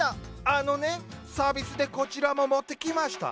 あのねサービスでこちらも持ってきました。